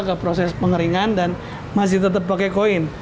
ke proses pengeringan dan masih tetap pakai koin